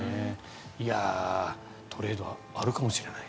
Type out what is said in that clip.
トレードはあるかもしれない。